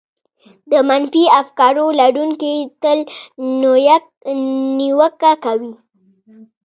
د منفي افکارو لرونکي تل نيوکه کوي.